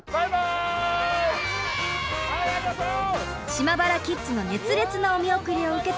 島原キッズの熱烈なお見送りを受けてひむ